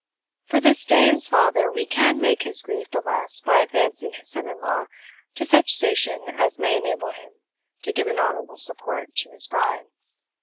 For this dame's father, we can make his grief the less by advancing his son in law to such station as may enable him to give an honourable support to his bride.